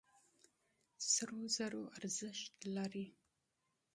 سرو زرو ارزښت لري.